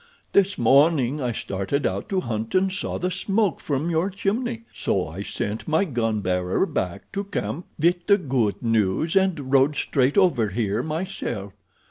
This morning I started out to hunt and saw the smoke from your chimney, so I sent my gun bearer back to camp with the good news and rode straight over here myself.